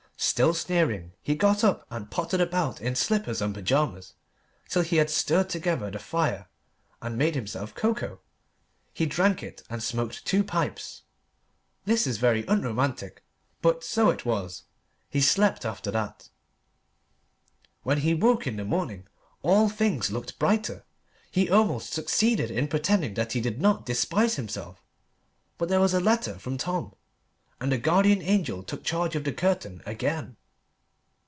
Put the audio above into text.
Still sneering, he got up and pottered about in slippers and pyjamas till he had stirred together the fire and made himself cocoa. He drank it and smoked two pipes. This is very unromantic, but so it was. He slept after that. When he woke in the morning all things looked brighter. He almost succeeded in pretending that he did not despise himself. But there was a letter from Tom, and the guardian angel took charge of the curtain again.